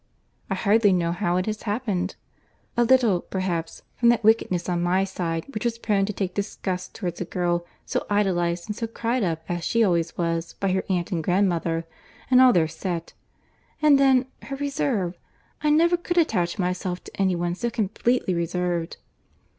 I hardly know how it has happened; a little, perhaps, from that wickedness on my side which was prone to take disgust towards a girl so idolized and so cried up as she always was, by her aunt and grandmother, and all their set. And then, her reserve—I never could attach myself to any one so completely reserved."